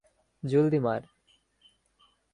জলদি, মার।